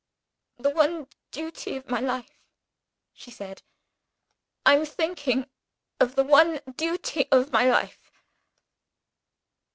"The one duty of my life," she said "I am thinking of the one duty of my life.